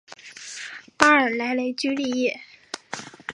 巴尔莱雷居利耶。